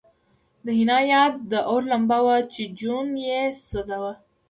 د حنا یاد د اور لمبه وه چې جون یې سوځاوه